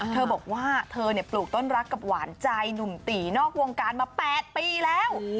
เธอบอกว่าเธอปลูกต้นรักกับหวานใจหนุ่มตีนอกวงการมา๘ปีแล้ว